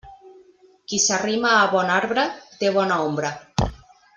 Qui s'arrima a bon arbre, té bona ombra.